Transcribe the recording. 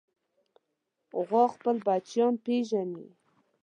غوا خپل بچیان پېژني.